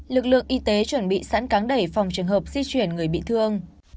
lực lượng y tế chuẩn bị sẵn cán đẩy phòng trường hợp di chuyển người bị thương